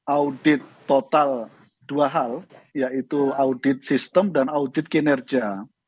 audit total dua hal yaitu audit sistem dan audit kinerja